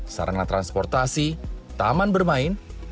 sarangah transportasi taman bermain